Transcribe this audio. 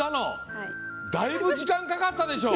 だいぶ時間かかったでしょ。